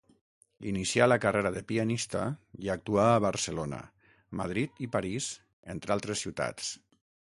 Inicià la carrera de pianista i actuà a Barcelona, Madrid i París, entre altres ciutats.